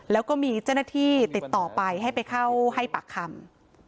แล้วก็มีเจ้าหน้าที่ติดต่อไปให้ไปเข้าให้ปากคำ